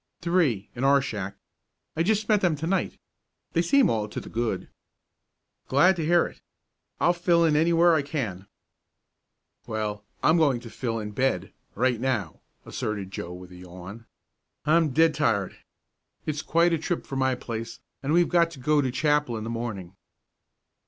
"Three in our shack. I just met them to night. They seem all to the good." "Glad to hear it. I'll fill in anywhere I can." "Well, I'm going to fill in bed right now!" asserted Joe with a yawn. "I'm dead tired. It's quite a trip from my place, and we've got to go to chapel in the morning."